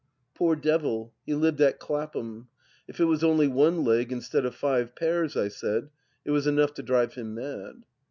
Poor devil I He lived at Clapham. If it was only one leg mstead of five pairs, I said, it was enough to drive him mad.